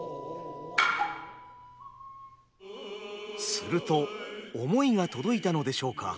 すると想いが届いたのでしょうか。